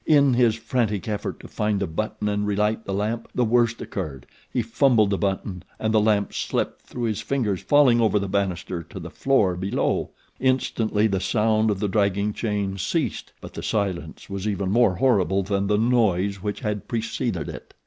In his frantic effort to find the button and relight the lamp the worst occurred he fumbled the button and the lamp slipped through his fingers, falling over the bannister to the floor below. Instantly the sound of the dragging chain ceased; but the silence was even more horrible than the noise which had preceded it.